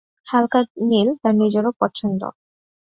হালকা নীল তার নিজেরও পছন্দ।